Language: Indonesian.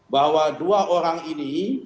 bahwa dua orang ini